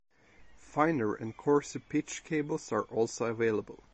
Finer and coarser pitch cables are also available.